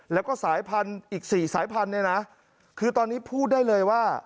แล้วก็สายพันธุ์อีก๔สายพันธุ์เนี่ยนะคือตอนนี้พูดได้เลยว่า